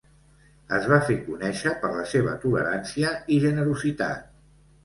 Es va fer conèixer per la seva tolerància i generositat.